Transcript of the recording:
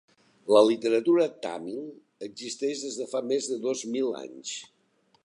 La literatura tàmil existeix des de fa més de dos mils anys.